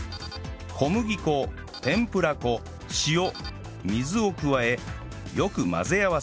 小麦粉天ぷら粉塩水を加えよく混ぜ合わせます